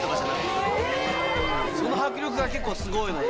その迫力が結構すごいので。